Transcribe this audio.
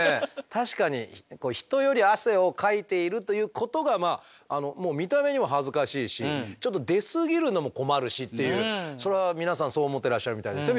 確かに人より汗をかいているということが見た目にも恥ずかしいしちょっと出過ぎるのも困るしっていうそれは皆さんそう思ってらっしゃるみたいですよ